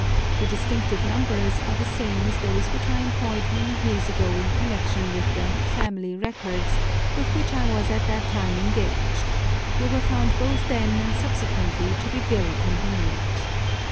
The distinctive numbers are the same as those which I employed many years ago in connection with the "Family Records " with which I was at that time engaged : they were found both then and subsequently to be very con venient.